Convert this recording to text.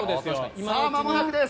もうまもなくです。